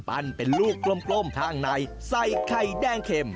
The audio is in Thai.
ปั่นเป็นลูกกลมทางในใส่ไข่แดงเข้ม